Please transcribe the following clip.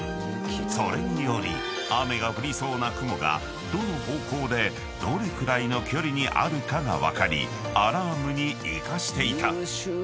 ［それにより雨が降りそうな雲がどの方向でどれくらいの距離にあるかが分かりアラームに生かしていた］